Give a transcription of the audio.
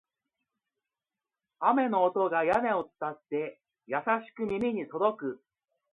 雨の音が屋根を伝って、優しく耳に届く